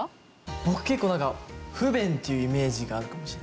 僕結構なんか不便っていうイメージがあるかもしれないです。